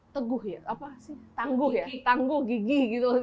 teguh ya apa sih tangguh ya tangguh gigi gitu